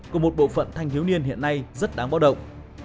của một bộ phận thanh thiếu niên hiện nay rất đáng báo động